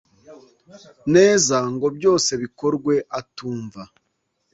neza ngo byose bikorwe atumva.